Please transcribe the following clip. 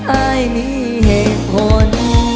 อายมีเหตุผล